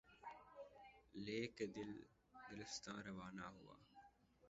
لے کے دل، دلستاں روانہ ہوا